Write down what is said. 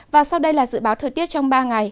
và sau đây là dự báo thời tiết trong ba ngày